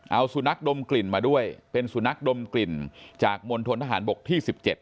เอาสุนัขดมกลิ่นมาด้วยเป็นสุนัขดมกลิ่นจากมณฑนทหารบกที่๑๗